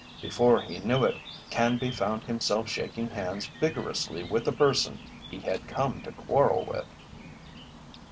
Before he knew it Canby found himself shaking hands vigorously with the person he had come to quarrel with.